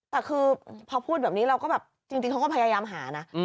แต่คือพอพูดแบบนี้เราก็แบบจริงเขาก็พยายามหานะ